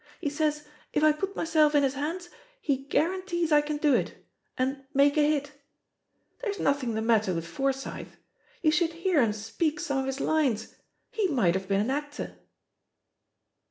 He says if I put myself in his hands, he 'guarantees' I can do it — and 'make a hit' I There's nothing the matter with Forsyth I you should hear him speak some of his lines — ^he might have been an actor."